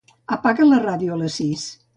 Apaga la ràdio a les sis.